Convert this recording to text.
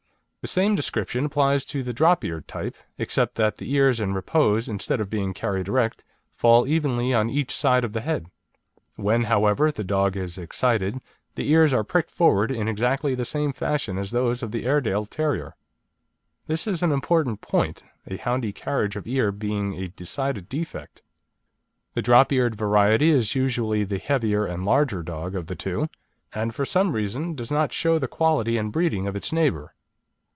The same description applies to the drop eared type, except that the ears in repose, instead of being carried erect, fall evenly on each side of the head. When, however, the dog is excited, the ears are pricked forward, in exactly the same fashion as those of the Airedale Terrier. This is an important point, a houndy carriage of ear being a decided defect. The drop eared variety is usually the heavier and larger dog of the two; and for some reason does not show the quality and breeding of its neighbour.